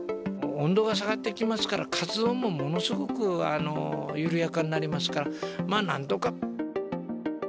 温度が下がってきますから、活動もものすごく緩やかになりますから、まあ、なんとか。